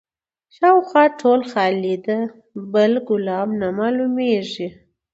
شاوخوا ټوله خالي ده بل ګلاب نه معلومیږي